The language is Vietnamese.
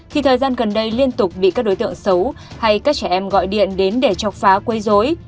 khi thời gian gần đây liên tục bị các đối tượng xấu hay các trẻ em gọi điện đến để chọc phá quây dối